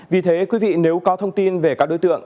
vì thế quý vị nếu có thông tin về các đối tượng